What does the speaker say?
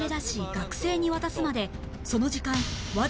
学生に渡すまでその時間